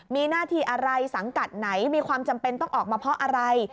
มีหน้าที่อะไรสังกัดไหนมีความจำเป็นต้องออกมาเพราะอะไร